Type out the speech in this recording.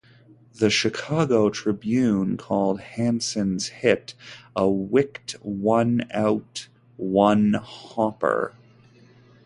The Chicago Tribune called Hansen's hit a wicked one-out one-hopper.